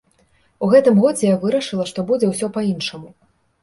У гэтым годзе я вырашыла, што будзе ўсё па-іншаму.